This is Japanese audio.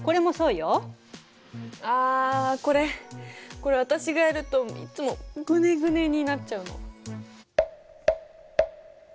あこれこれ私がやるといっつもグネグネになっちゃうの。